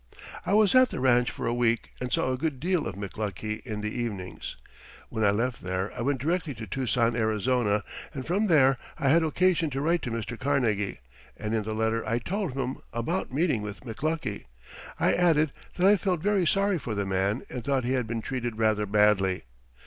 I was at the ranch for a week and saw a good deal of McLuckie in the evenings. When I left there, I went directly to Tucson, Arizona, and from there I had occasion to write to Mr. Carnegie, and in the letter I told him about meeting with McLuckie. I added that I felt very sorry for the man and thought he had been treated rather badly.